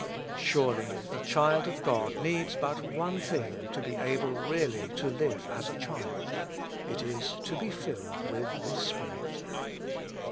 Surely the child of God needs but one thing to be able really to live as a child : it is to be filled with this Spirit.